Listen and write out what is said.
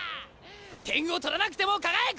点を取らなくても輝く男！